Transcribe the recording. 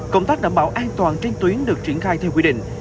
công tác đảm bảo an toàn trên tuyến được triển khai theo quy định